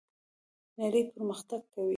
نړۍ پرمختګ کوي